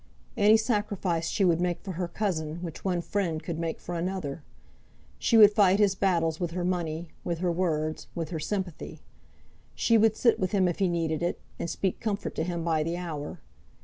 Any sacrifice she would make for her cousin which one friend could make for another. She would fight his battles with her money, with her words, with her sympathy. She would sit with him if he needed it, and speak comfort to him by the hour.